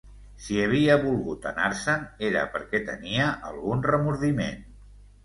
Si havia volgut anar-se'n, era perquè tenia algun remordiment.